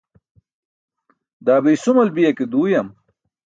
Daa be isumal biya ke duuyam?